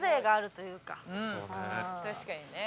確かにね。